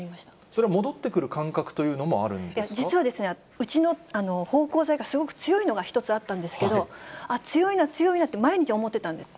それは戻ってくる感覚という実はうちの芳香剤がすごく強いのが１つあったんですけど、あっ、強いな、強いなって、毎日毎日思ってたんです。